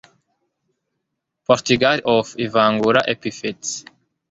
Prodigal of ivangura epithets